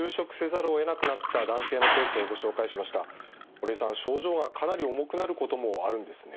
堀江さん症状がかなり重くなることもあるんですね。